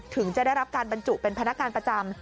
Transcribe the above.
ถึงจะได้รับการบรรจุเป็นพนักงานประจำ